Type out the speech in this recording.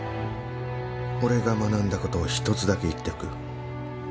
俺が学んだ事を一つだけ言っておく。